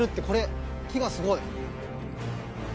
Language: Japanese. これ木がすごい。